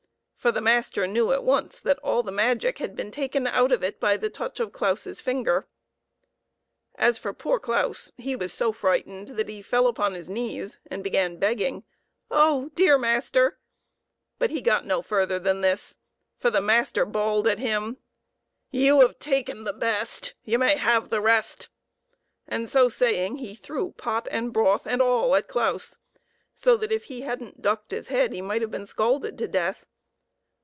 For the master knew at once that all the magic had been taken out of it by the touch of Claus's finger. i8 PEPPER AND SALT. As for poor Claus, he was so frightened that he fell upon his knees, and began begging: " Oh ! dear master " But he got no further than this, for the master bawled at him, "You have taken the best, You may have the rest." And so saying, he threw pot and broth and all at Claus, so that if he hadn't ducked his head he might have been scalded to death.